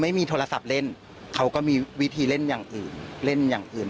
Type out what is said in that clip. ไม่มีโทรศัพท์เล่นเขาก็มีวิธีเล่นอย่างอื่นเล่นอย่างอื่น